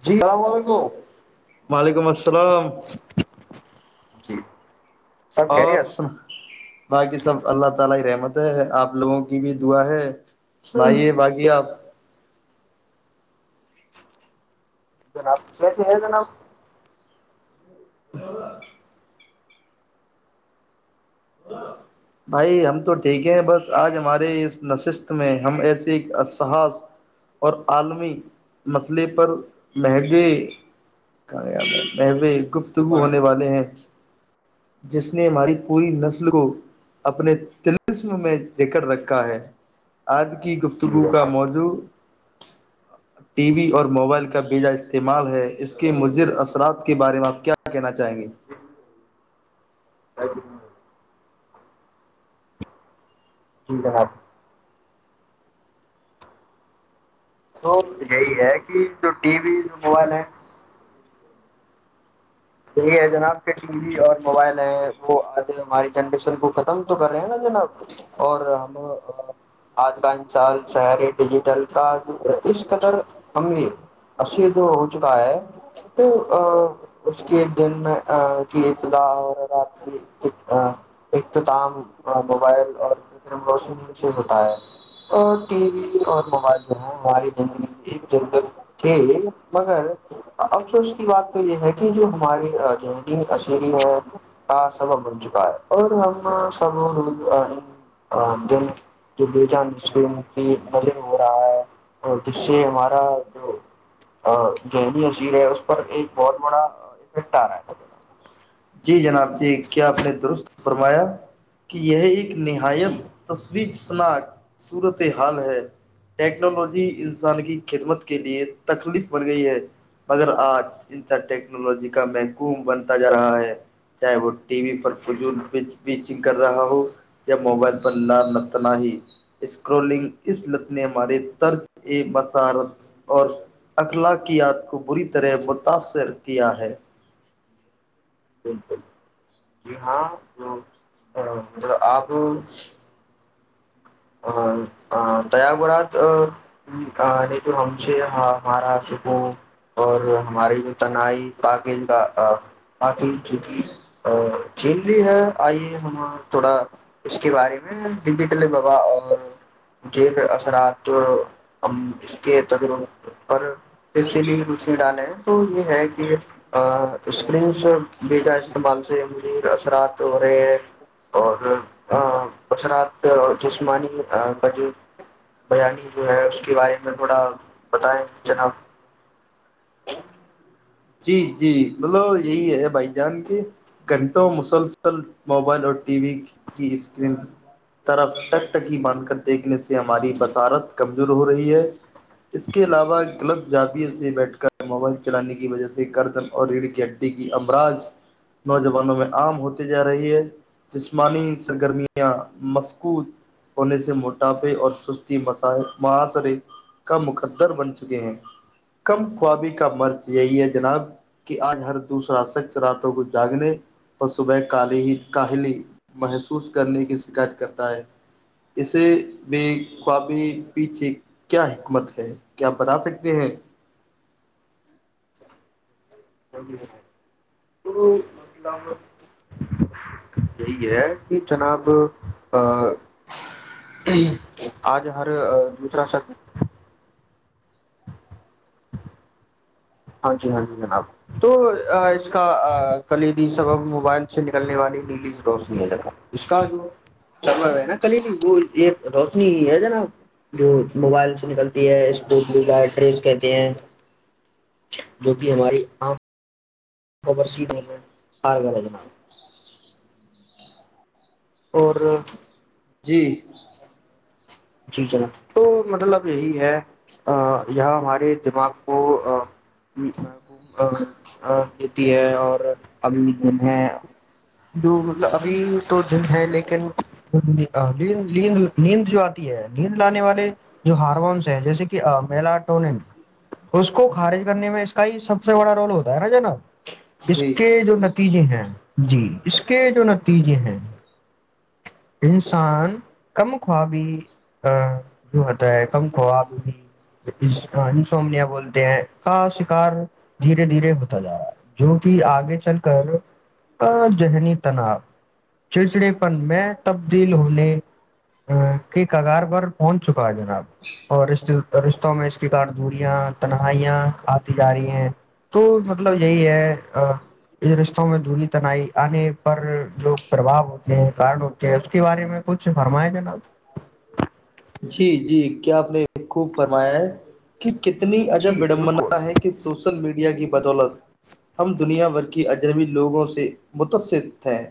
جی السلام علیکم وعلیکم السلام جی سب خیریت [unintelligible] مت ہے آپ لوگوں کی بھی دعا ہے سنائیے باقی آپ جناب کیسے ہے جناب [unintelligible] بھائی ہم تو ٹھیک ہیں بس آج ہمارے اس نشستت میں ہم ایسے ایک اسسحاص اور عالمی مسئلے پر مہنگے مہگے گفتگو ہونے والے ہیں جس نے ہماری پوری نسل کو اپنے تلسم میں جیکٹ رکھا ہے آج کے کی جی گفتگو کا جناب موضوع ٹی وی اور موبائل کا بیجا استعمال ہے اس کے مضر اثرات کے بارے میں آپ کیا کہنا چاہیں گے جی جی جناب تو یہی ہے کہ جو ٹی وی جو موبائل ہے یہ ہے جناب کہ ٹی وی اور موبائل ہے وہ آج ہماری جنریشن کو ختم تو کر رہے ہیں نا جناب اور ہم آج کا انسان شہر ڈیجیٹل کا اس قدر ایر ار جو ہو چکا ہے تو اس کے دن میں کی ابتدا اور رات کی اختتام موبائل اور [unintelligible] سے ہوتا ہے اور ٹی وی اور موبائل جو ہے ہماری زندگی ایک ضرورت ہےھی مگر افسوس کی بات تو یہ ہے ک جو ہماری ذہنی اشری ہے کا سبب بن چکا ہے اور ہم سب روز دن جو بے چاند کی نظر ہو رہا ہے اور جس سے ہمارا جو ذہنی عشیر ہے اس پر ایک بہت بڑا ایفیکٹ آ رہا ہے جی جناب جی کیا آپ نے درست فرمایا کہ یہ ایک جی نہایت تصویر [unintelligible] نا صورت حال ہے ٹیکنالوجی انسان کی خدمت کے لیے تکلیف بن گئی ہے مگر آج انسا ٹیکنالوجی کا محکوم بنتا جا رہا ہے [unintelligible] ٹی وی پر جی فضول جناب پچ پچ کر رہا ہو یا موبائل پر نارنتنااہی اسکرولنگ اس لت نے ہمارے طرز مسارت اور اخلاقیات کو بری طرح متاثر کیا ہے بالکل جی ہاں تو مطلب آپ تغورات نے تو ہم سے ہمارا سکون اور ہمارے جو تنائی پاکیزہ [unintelligible] جینری ہے آئیے ہم تھوڑا اس کے بارے میں ڈجیٹل ا اور جیر اثرات ہم اس کے تجرب پر ت سے بھی روشنی ڈالے ہیں تو یہ ہے کہ اسپرنگس بیجا استعمال سے میر اثرات ہو رہے ہیں اور اثرات جسمانی کا جو بیانی جو ہے اس کے بارے میں تھوڑا بتائیں جناب جی جی مطلب یہی ہے بھائی جان کے گھنٹوں مسلسل موبائل اور ٹی وی کی اسکرین طرف ٹک ٹکی باندھ کر دیکھنے سے ہماری بصارت کمزور ہو رہی ہے اس کے علاوہ غلط جاویے سے بیٹھ کر موبائل چلانے کی وجہ سے گدن اور ریڑھ کے اڈے کی امراض نوجوانوں میں عام ہوتی جا رہی ہے جسمانی سرگرمیاں مسکوط ہونے سے موٹاپے اور سستی م محاصرے کا مقدر بن چکے ہیں کم خوابی کا مرض یہی ہے جناب کہ آج ہر دوسرا شخص راتوں کو جاگنے اور صبح کالی ہی کاہلی محسوس کرنے کی شکایت کرتا ہے اسے ب خواب پیچھے کیا حکمت ہے کیا آپ بتا سکتے ہیں [inaudible] یہی ہے کہ جناب ا [inaudible] [inaudible] آج ہر دوسرا شخص ہاں جی ہاں جی جناب تو اس کا کلیدی سبب موبائل سے نکلنے والی نیلی روشنی ہے جناب اس کا جو سبب ہے نا کلیدی وہ یہ روشنی ہی ہے جناب جو موبائل سے نکلتی ہے اسپوت لوگ ہے ٹریس کہتے ہیں [unintelligible] [inaudible] جو کہ ہماری آنکھ [unintelligible] اور جی جی جناب تو مطلب یہی ہے یہ ہمارے دماغ کو [unintelligible] نیند لانے والے جو ہارمونس ہے جیسے کہ میلاٹونن اس کو خارج کرنے میں اس کا ہی سب سے بڑا رول ہوتا ہے نا جناب اس جی کے جو نتیجے ہیں جی اس کے جو نتیجے ہیں انسان کم خوابی جو ہوتا ہے کم خوابی انسومیا بولتے ہیں کا شکار دھیرے دھیرے ہوتا جا رہا ہے جو کہ آگے چل کر ذہنی تناؤ چڑچڑے پن میں تبدیل ہونے کے کگار پر پہنچ چکا ہے جناب اور رشتوں میں اس کے کارن دوریاں تنہائیاں آتی جا رہی ہیں تو مطلب یہی ہے رشتوں میں دوری تنائی آنے پر لوگ پربؤ ہوتے ہیں کارن کہ اس کے بارے میں کچھ فرمائے جانب جی جی کیا آپ نے خوب فرمایا ہے کت کتنی اجب جی بالکل بڑمبنا ہے کہ سوشل میڈیا کی بدولت ہم دنیا بھر کے اجنبی لوگوں سے متثر ہیں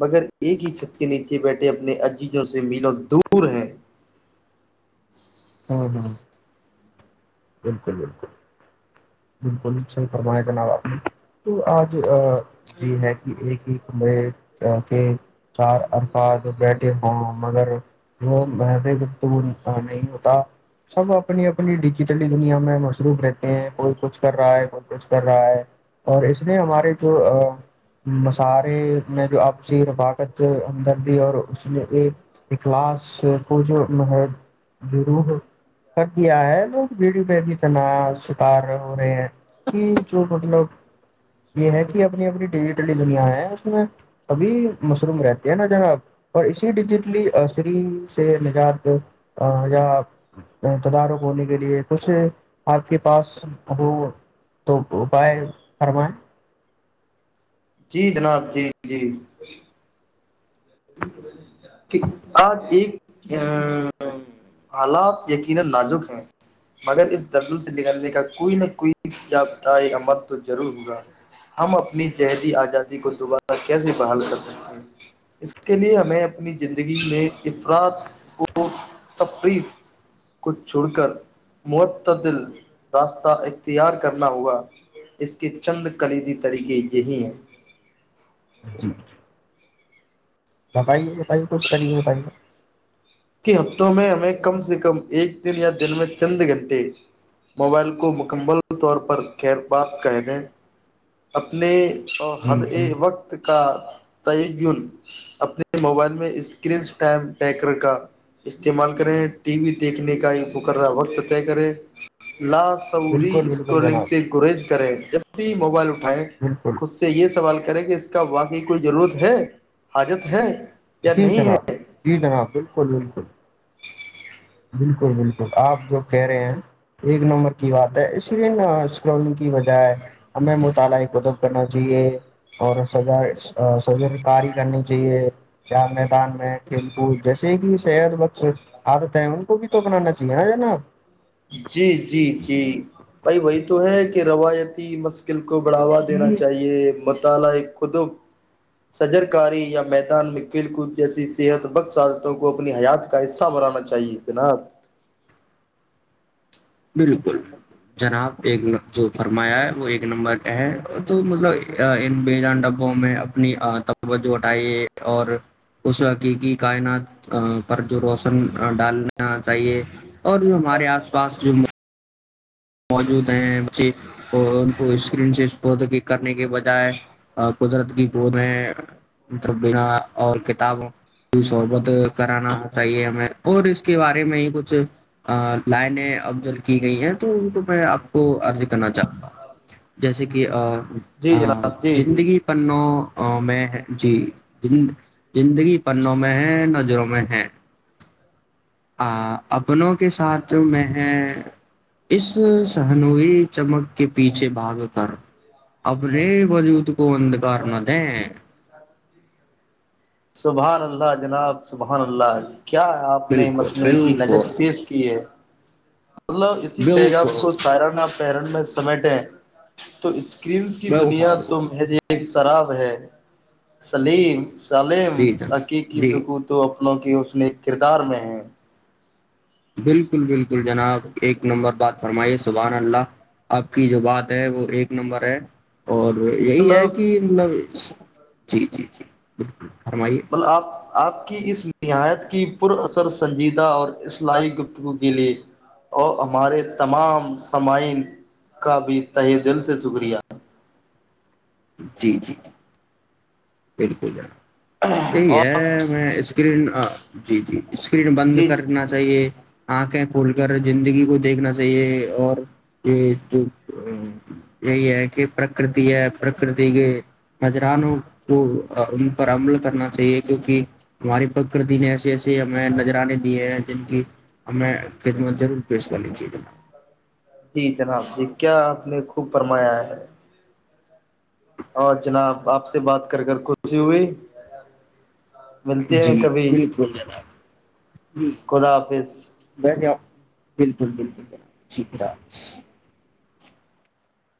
مگر ایک ہی چھت کے نیچے بیٹھے اپنے عزیزوں سے میلوں دور ہیں [inaudible] [inaudible] بالکل بالکل بالکل سر فرمائے کا نام آپ نے تو آج [unintelligible] [inaudible] جی ہے کہ ایک ہی ک مے [unintelligible] [inaudible] کیونکہ چار ارفاد بیٹ [unintelligible] [inaudible] ہ مگر وہ وہ نہیں ہوتا سب اپنی اپنی [unintelligible] جتی دنیا میں مصروف رہتے ہیں کوئی کچھ کر رہا ہے کوئی کچھ کر رہا ہے اور اس نے ہمارے جو معاشرے نے جو آپسی رباقت ہمدردی اور اس نے اخلاص کو جو روح کر دیا ہے ن [unintelligible] ویڈیو پہ بھی اتنا شکار ہو رہے ہیں کہ جو مطلب یہ ہے کہ اپنی اپنی ڈیجیٹلی دنیا ہے اس میں ابھی مصروم رہتی ہے نا جناب اور اسی ڈیجیٹلی عصری سے نجات یا تدارک ہونے کے لیے [unintelligible] [inaudible] کچھ آپ کے پاس ہو تو اپائے فرمیں جی جناب جی جی اج ایک حالات یقینا نازک ہیں مگر اس درجن سے نکلنے کا کوئی نہ کوئی یا تھا یا مت ضرور ہوا ہم اپنی ذہنی آزادی کو دوبارہ کیسے بحال کر سکتے ہیں اس اس کے لیئے ہمیں اپنی زندگی میں افراد کو تفریح کو چھوڑ کر معتدل راستہ اختیار کرنا ہوگا اس کے چند کلیدی طریقے یہی ہیں جی بتائیے بتائیے تو اس کریے بتائیے [unintelligible] کہ ہفتوں میں ہمیں کم سے کم ایک دن یا دن میں چند گھنٹے موبائل کو مکمل طور پر خیر بات کہ دیں [unintelligible] اپنے اور جی ہد اے جی وقت کا [unintelligible] اپنے موبائل میں اسکرین ٹائم ٹریکر کا استعمال کریں ٹی وی دیکھنے کا ایک مقررہ وقت طے کریں لا سوری بالکل بالکل اسکولنگ جناب سے گریز کریں جب [unintelligible] بالکل خود سے یہ سوال کریں کہ اس کیا واقعی کوئی ضرورت ہے حاجت ہے یا جی نہیں ہے جناب جی جناب بالکل بالکل بالکل بالکل آپ جو کہہ رہے ہیں ایک نمبر کی بات ہے اس لیے ن اسکرولنگ کی بجائے ہمیں مطالعہ ادب کرنا چاہیے اور سا سجا کاری کرنی چاہیے یا میدان میں کھیل کود جیسے کہ صح بخش عادت سون کوب تو بنانا چاہیے نا ناب جی جی جی بھائی وہی تو ہے کہ روایتی مشکل کو بڑھاوا دینا چاہیے مت ال خ سجر کاری یا میدان میں کھیل کود جیسی صحت بخ صادتوں کو اپنی حیات کا حصہ بنانا چاہیے جناب بالکل جناب ایک جو فرمایا ہے وہ ایک نمبر ہے تو مطلب ان بے جان ڈبوں میں اپنی تو اٹھائیے اور اس حقیقی کائنات پر جو روشن ڈالنا چاہیے اور جو ہمارے آس پاس ج [unintelligible] موجود ہیں ب ان کو اسکرین سے کرنے کے بجائے قدرت کی پودیںبنا اور کتاب کی شحبت کرانا چاہیے ہمیں اور اس کے بارے میں ہی کچھ لائنیں افضل کی گئی ہیں تو تو میں آپ کو تنا چاہوں گا جیسے کہ جی آ جناب جی جی زندگی پنو میں ہے جی زندگی پنوں میں ہے نظروں میں ہے آ اپنوں کے ساتھ میں اس سہنوئی چمک کے پیچھے بھاگ کر ابریے بجو تو کو وند کارنا تھا سبحان اللہ جناب سبحان اللہ کیا آپ نے بالکل مصنوعی کی نجت بالکل تیز کی ہے مطلب اسی پیغام کو بالکل سائرانا پیرن میں سمیٹیں تو اس کرنس کی دنیا بالکل تم ہے ج ایک شراب ہے سلیم چالم جی آ کی جناب کی جی سکو تو وں کی اس نے کردار میں ہیں بالکل بالکل ایک نمبر بات فرمائیے سبحان اللہ آپ کی جو بات ہے وہ ایک نمبر ہے اور یہی ہے مطلب کہ مطلب جی جی جی بالکل فرمائیے مطلب آپ آپ کی اس نہایت کی پر اثر سنجیدہ اور اصلاحی گفتگو کے لیے اور ہمارے تمام سمعین کا بھی تہ دل سے شکریہ ہے جی جی پڑک ج یہی اور ہے میں اسکرین جی جی اسکرین بند جی کرنا چاہیے آ کہ کھول کر زندگی کو دیکھنا چاہیے اور یہ یہی ہے کہ پرکرتی ہے پرکرتی کے نذرانوں تو ان پر عمل کرنا چاہیے کیونکہ ہماری پرکتی نے ایسیے ای ج ہمیں نذرانے دیے ہیں جن کی ہمیں خدمت ضرور پیش کر لیجیے گنا جی جناب جی کیا آپ نے خوب فرمایا ہے اور جناب آپ سے بات کر کر خوشی ہوئی ملتے جی ہیں کبھی بالکل ج جی ج خدا حافظ ویسے آپ بالکل بالکل بالکل شٹیکرام